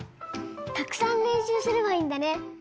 たくさんれんしゅうすればいいんだね。